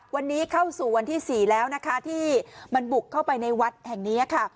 วันนี้เข้าสู่วันที่๔แล้วนะคะที่มันบุกเข้าไปในวัดแห่งนี้ค่ะ